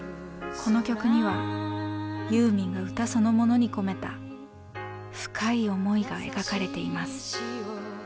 この曲にはユーミンが歌そのものに込めた深い思いが描かれています。